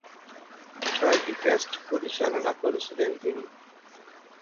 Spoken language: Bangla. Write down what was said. ছয়টি টেস্ট পরিচালনা করেছিলেন তিনি।